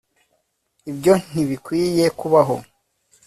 ibyo ntibikwiye kubaho